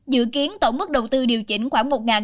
dự kiến tổng mức đầu tư điều chỉnh khoảng một